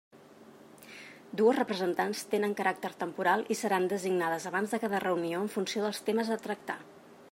Dues representants tenen caràcter temporal i seran designades abans de cada reunió en funció dels temes a tractar.